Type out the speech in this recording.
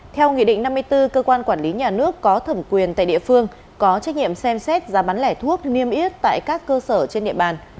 theo nghị định năm mươi bốn cơ quan quản lý nhà nước có thẩm quyền tại địa phương có trách nhiệm xem xét giá bán lẻ thuốc niêm yết tại các cơ sở trên địa bàn